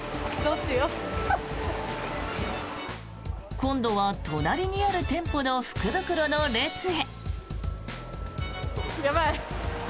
今度は隣にある店舗の福袋の列へ。